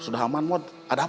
sudah aman om ada apa ini